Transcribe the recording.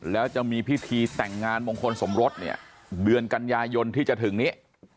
แล้วจะมีพิธีแต่งงานมงคลสมรสเนี่ยเดือนกันยายนที่จะถึงนี้